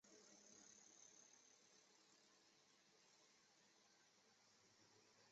城堡内有数座建筑。